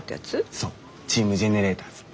そうチーム・ジェネレーターズ。